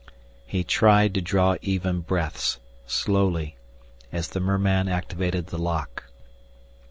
He tried to draw even breaths slowly as the merman activated the lock.